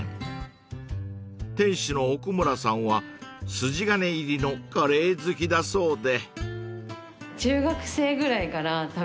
［店主の奥村さんは筋金入りのカレー好きだそうで］